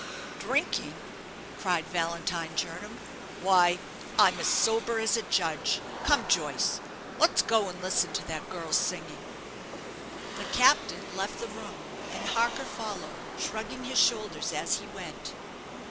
"Drinking!" cried Valentine Jernam; "why, I'm as sober as a judge. Come, Joyce, let's go and listen to that girl's singing." The captain left the room, and Harker followed, shrugging his shoulders as he went.